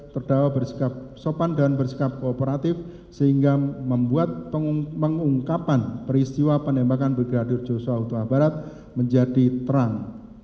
terdawa bersikap sopan dan bersikap kooperatif sehingga membuat pengungkapan peristiwa penembakan bergerak di jawa tua barat menjadi terang